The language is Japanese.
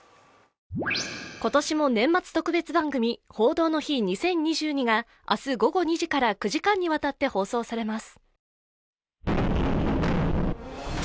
今年も年末特別番組「報道の日２０２２」が明日午後２時から９時間にわたって放送されます。